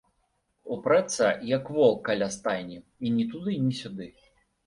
Упрэцца, як вол каля стайні, і ні туды, ні сюды.